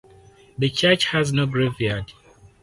The church has no graveyard.